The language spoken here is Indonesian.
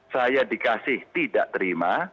saya dikasih tidak terima